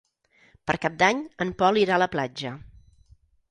Per Cap d'Any en Pol irà a la platja.